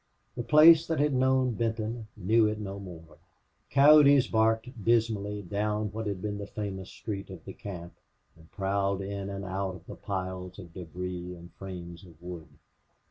The place that had known Benton knew it no more. Coyotes barked dismally down what had been the famous street of the camp and prowled in and out of the piles of debris and frames of wood.